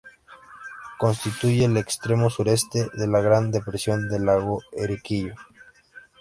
Constituye el extremo sureste de la gran depresión del lago Enriquillo.